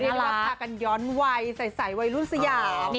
ได้รับทากันย้อนวัยใส่วัยรุ่นสยา